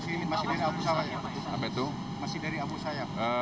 jadi masih dari abu sayyaf